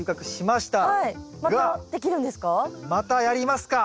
またやりますか。